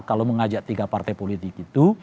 kalau mengajak tiga partai politik itu